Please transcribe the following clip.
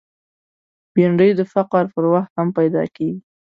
بېنډۍ د فقر پر وخت هم پیدا کېږي